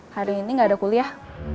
hari ini gak ada kuliah